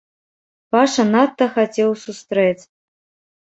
Паша надта хацеў сустрэць.